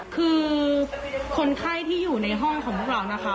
คือคนไข้ที่อยู่ในห้องของพวกเรานะคะ